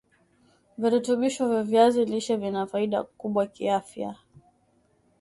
Virutubisho vya viazi lishe vina faida kubwa kiafya